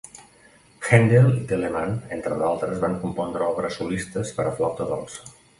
Handel i Telemann, entre d'altres, van compondre obres solistes per a la flauta dolça.